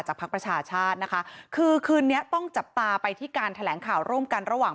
พักประชาชาตินะคะคือคืนนี้ต้องจับตาไปที่การแถลงข่าวร่วมกันระหว่าง